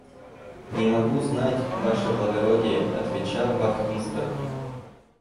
– Не могу знать, ваше благородие, – отвечал вахмистр.